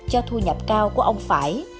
cho thu nhập cao của ông phải